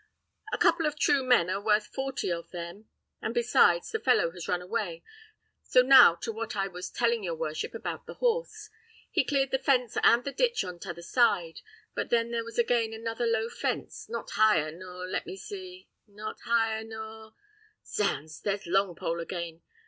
"A couple of true men are worth forty of them; and besides, the fellow has run away. So now to what I was telling your worship about the horse. He cleared the fence and the ditch on t'other side; but then there was again another low fence, not higher, nor let me see not higher nor Zounds! there's Longpole again!